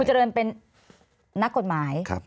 เจริญเป็นนักกฎหมาย